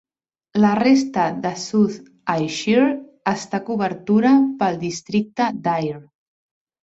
La resta de South Ayrshire està cobertura pel districte d"Ayr.